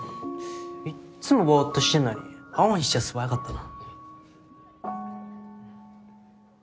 いっつもボっとしてんのに青にしちゃ素早かったな。